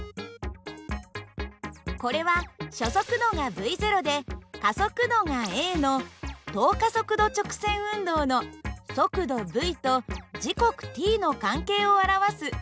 これは初速度がυで加速度がａの等加速度直線運動の速度υと時刻ｔの関係を表すυ−